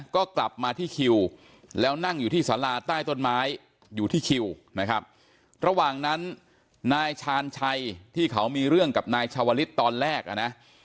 ก็กลับมาที่คิวแล้วนั่งอยู่ที่สาราใต้ต้นไม้อยู่ที่คิวนะครับระหว่างนั้นนายชาญชัยที่เขามีเรื่องกับนายชาวลิศตอนแรกอ่ะนะ